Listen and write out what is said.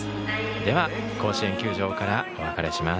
では、甲子園球場からお別れします。